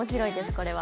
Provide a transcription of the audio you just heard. これは。